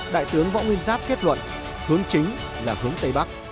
đại tướng võ nguyên giáp kết luận hướng chính là hướng tây bắc